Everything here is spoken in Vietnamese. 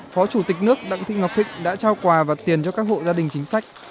phó chủ tịch nước đặng thị ngọc thịnh đã trao quà và tiền cho các hộ gia đình chính sách